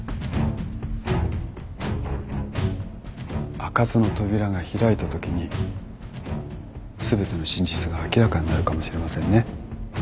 開かずの扉が開いたときに全ての真実が明らかになるかもしれませんね。